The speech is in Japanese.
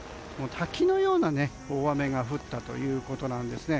滝のような大雨が降ったということなんですね。